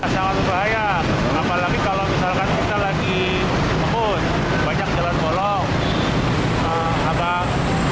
sangat berbahaya apalagi kalau misalkan kita lagi ngebut banyak jalan bolong abang